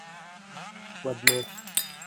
Quoi de neuf ?